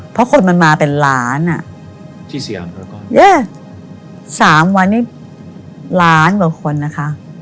เพราะคนมันมาเป็นล้านสามวันนี้ล้านกว่าคนนะคะ